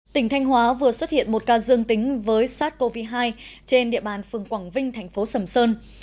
tỉnh thanh hóa vừa xuất hiện một ca dương tính với sars cov hai trên địa bàn phường quảng vinh thành phố sầm sơn